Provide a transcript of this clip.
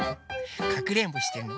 かくれんぼしてんの？